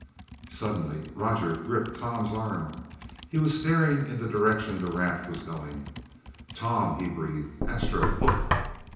Suddenly Roger gripped Tom's arms. He was staring in the direction the raft was going. "Tom " he breathed, "Astro look!"